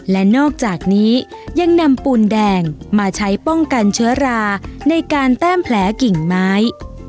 และนอกจากนี้ยังนำปูนแดงมาใช้ป้องกันเชื้อราในการแต้มแผลกิ่งไม้